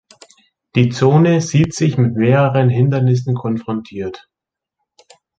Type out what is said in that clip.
Die Zone sieht sich mit mehreren Hindernissen konfrontiert.